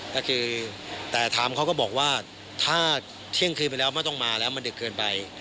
ก็คือแต่ถามเขาก็บอกว่าถ้าเที่ยงคืนไปแล้วไม่ต้องมาแล้วมันดึกเกินไป